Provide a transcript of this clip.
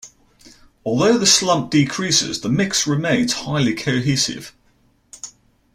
Although the slump decreases, the mix remains highly cohesive.